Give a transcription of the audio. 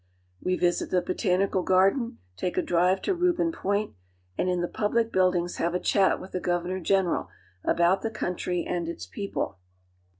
We visit the Botanical Garden, take a drive to Reuben Point, and in the public buildings have a chat with the Governor General about the country and its people.